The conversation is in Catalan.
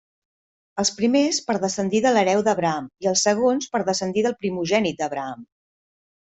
Els primers per descendir de l'hereu d'Abraham i els segons per descendir del primogènit d'Abraham.